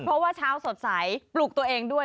เพราะว่าเช้าสดใสปลุกตัวเองด้วย